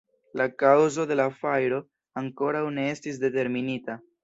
La kaŭzo de la fajro ankoraŭ ne estis determinita.